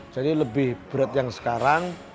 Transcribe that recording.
jadi lebih berat yang sekarang